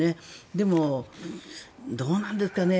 でも、どうなんですかね。